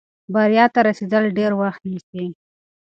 بریا ته رسېدل ډېر وخت نیسي.